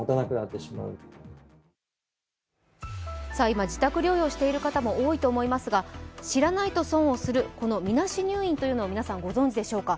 今、自宅療養している方も多いかと思いますが、知らないと損をするみなし入院というのを皆さんご存じでしょうか。